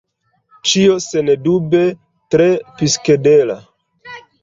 Ĉio sendube tre psikedela.